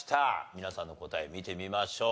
皆さんの答え見てみましょう。